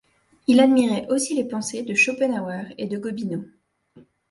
Il admirait aussi les pensées de Schopenhauer et de Gobineau.